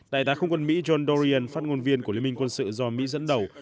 tại đảng không quân mỹ john dorian phát ngôn viên của liên minh quân sự do mỹ dẫn đầu